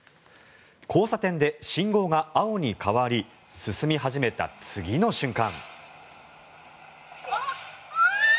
交差点で信号が青に変わり進み始めた、次の瞬間。